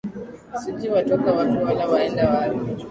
Sijui watoka wapi wala waenda wapi